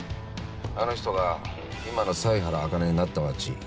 あの人が今の犀原茜になった町。